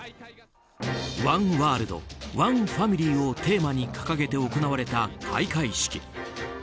「ワンワールド、ワンファミリー」をテーマに掲げて行われた開会式。